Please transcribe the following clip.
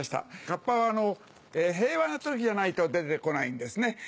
かっぱは平和な時じゃないと出て来ないんですね。